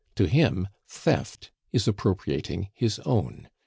To him theft is appropriating his own.